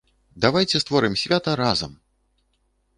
Давайце створым свята разам!